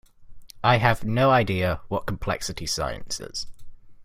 I have no idea what complexity science is.